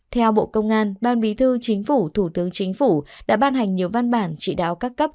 theo bộ công an ban bí thư chính phủ thủ tướng chính phủ đã ban hành nhiều văn bản chỉ đáo các cấp